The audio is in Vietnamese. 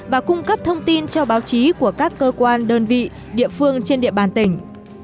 và cung cấp thông tin cho báo chí của các cơ quan đơn vị địa phương trên địa bàn tỉnh